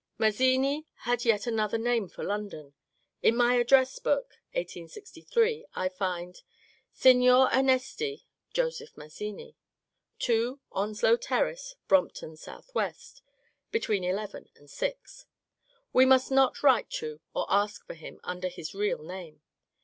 Mazzini had yet another name for London. In my address book (1863) I find :^^ Seignior Emesti (Joseph Mazzini), 2 Onslow Terrace, Brompton, S. W. (between 11 and 6)." We must not write to or ask for him under his real name.